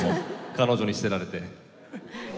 彼女に捨てられて。